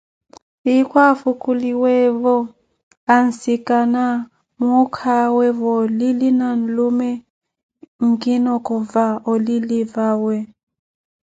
Zifukuwiyeewo, ansikana muukawe va oulili na nlume nkinoko va olili vawe